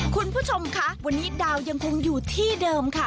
คุณผู้ชมคะวันนี้ดาวยังคงอยู่ที่เดิมค่ะ